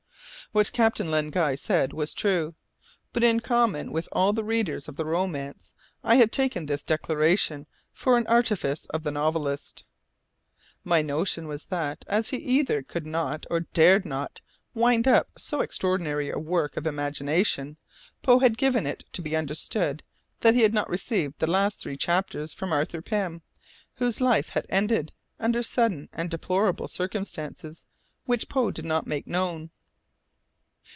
What Captain Len Guy said was true; but, in common with all the readers of the romance, I had taken this declaration for an artifice of the novelist. My notion was that, as he either could not or dared not wind up so extraordinary a work of imagination, Poe had given it to be understood that he had not received the last three chapters from Arthur Pym, whose life had ended under sudden and deplorable circumstances which Poe did not make known.